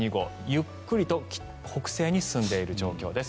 ゆっくりと北西に進んでいる状況です。